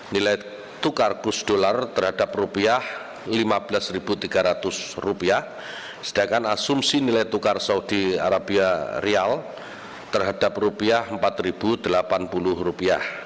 nilai tukar kus dolar terhadap rupiah rp lima belas tiga ratus sedangkan asumsi nilai tukar saudi arabia rial terhadap rupiah rp empat delapan puluh